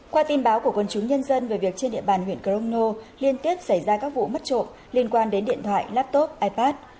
qua tin báo của quân chúng nhân dân về việc trên địa bàn huyện crono liên tiếp xảy ra các vụ mất trộm liên quan đến điện thoại laptop ipad